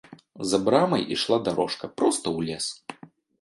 За брамай ішла дарожка проста ў лес.